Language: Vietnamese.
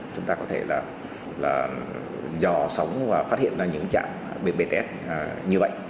chúng ta có thể dò sóng và phát hiện những trạm bts như vậy